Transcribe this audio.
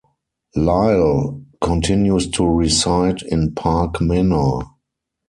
Lyle continues to reside in Park Manor.